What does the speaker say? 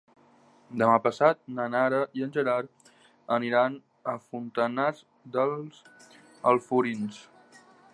Demà passat na Nara i en Gerard aniran a Fontanars dels Alforins.